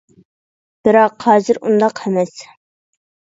بىراق ھازىر ئۇنداق ئەمەس.